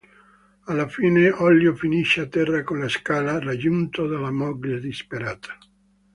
Alla fine Ollio finisce a terra con la scala, raggiunto dalla moglie disperata.